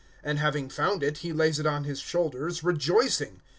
(5)And having found it, he lays it on his shoulders, rejoicing.